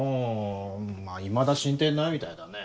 あいまだ進展ないみたいだね。